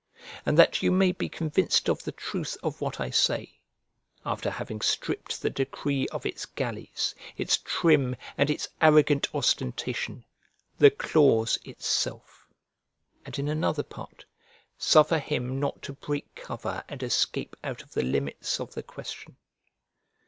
And that you may be convinced of the truth of what I say (after having stripped the decree of its gallies, its trim, and its arrogant ostentation) the clause itself." And in another part: "Suffer him not to break cover and escape out of the limits of the question."